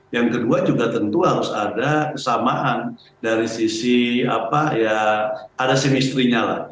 yang kedua juga tentu harus ada kesamaan dari sisi ada semestrinya